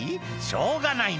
しょうがないな」